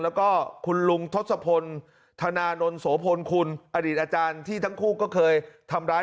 แล้วก็คุณลุงทศพลธนานนทโสพลคุณอดีตอาจารย์ที่ทั้งคู่ก็เคยทำร้าย